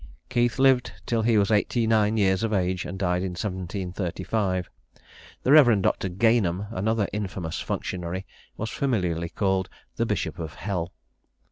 Keith lived till he was eighty nine years of age, and died in 1735. The Rev. Dr. Gaynham, another infamous functionary, was familiarly called the Bishop of Hell.